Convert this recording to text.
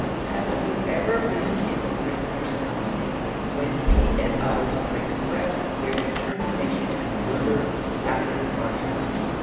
Have you ever been in the prisoner's company, when he and others have expressed their determination to murder Captain Ussher?"